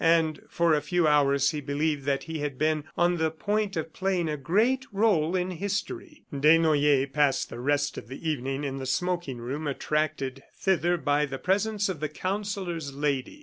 And for a few hours he believed that he had been on the point of playing a great role in history. Desnoyers passed the rest of the evening in the smoking room attracted thither by the presence of the Counsellor's Lady.